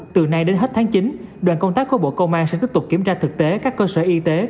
từ nay đến hết tháng chín đoàn công tác của bộ công an sẽ tiếp tục kiểm tra thực tế các cơ sở y tế